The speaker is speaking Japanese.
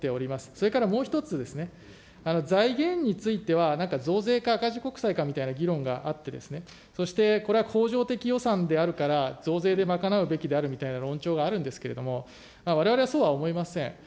それからもう一つ、財源については増税か赤字国債かみたいな議論があって、そしてこれは恒常的予算であるから、増税で賄うべきだというような論調があるんですけれども、われわれはそうは思いません。